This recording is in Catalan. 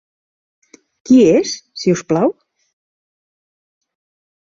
Qui és, si us plau?